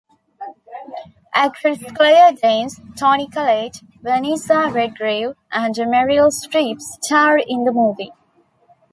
Actresses Claire Danes, Toni Collette, Vanessa Redgrave and Meryl Streep star in the movie.